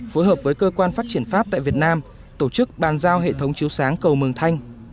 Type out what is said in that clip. phối hợp với cơ quan phát triển pháp tại việt nam tổ chức bàn giao hệ thống chiếu sáng cầu mường thanh